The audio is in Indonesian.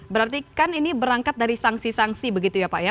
berarti kan ini berangkat dari sanksi sanksi begitu ya pak ya